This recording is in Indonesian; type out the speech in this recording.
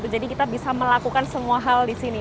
jadi kita bisa melakukan semua hal di sini